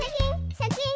シャキン。